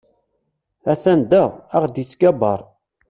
Atan da, aɣ-d ittgabaṛ.